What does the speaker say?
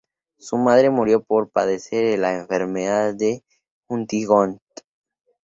Su madre murió por padecer la Enfermedad de Huntington.